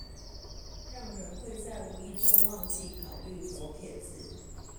讓人會在無意中忘記考慮左撇子